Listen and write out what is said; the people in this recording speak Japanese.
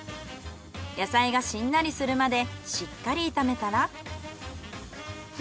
野菜がしんなりするまでしっかり炒めたら。